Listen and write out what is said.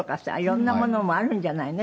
色んなものもあるんじゃないの？